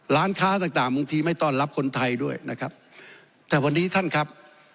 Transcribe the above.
ร้านค้าต่างต่างบางทีไม่ต้อนรับคนไทยด้วยนะครับแต่วันนี้ท่านครับ